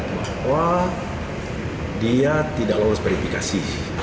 bahwa dia tidak lolos verifikasi